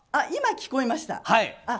今、聞こえました。